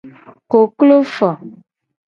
Koklo fo.